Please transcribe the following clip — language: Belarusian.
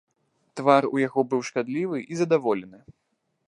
Твар у яго быў шкадлівы і задаволены.